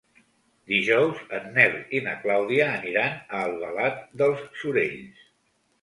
Dijous en Nel i na Clàudia aniran a Albalat dels Sorells.